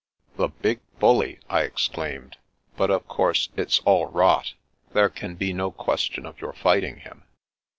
" The big bully !" I exdaimed. " But of course it's all rot. There can be no question of your fight ing him."